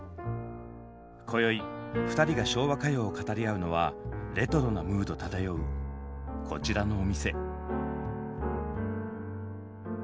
こよい２人が昭和歌謡を語り合うのはレトロなムード漂うこちらのお店。